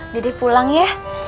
dede pulang ya